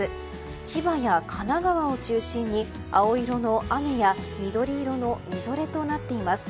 千葉や神奈川を中心に青色の雨や緑色のみぞれとなっています。